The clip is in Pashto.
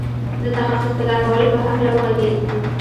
د تخصص پيدا کولو په هکله وغږېد.